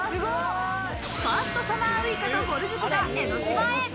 ファーストサマーウイカとぼる塾が江の島へ！